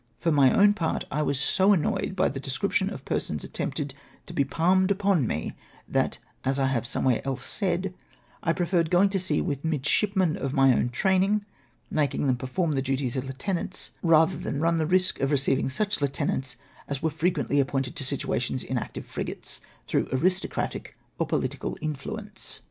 For my own part, I Avas so annoyed by the description of persons attempted to be palmed upon me, that, as I have somcAvhere else said, I preferred going to sea Avith midshipmen of my ow^n training, making them perform the duties of lieute nants, rather than run the risk of receiAdng such lieute nants as Avere frequently appointed to situations in active frigates, through aristocratic or political in fluence.